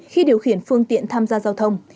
khi điều khiển phương tiện tham gia giao thông